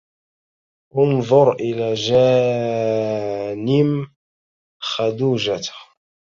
انظر إلى جانم خدوجة